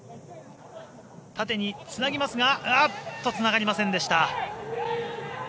縦につなぎますがつながりませんでした。